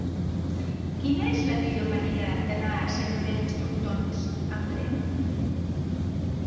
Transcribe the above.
Quina és la millor manera d'anar a Sant Llorenç d'Hortons amb tren?